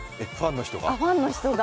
ファンの人が。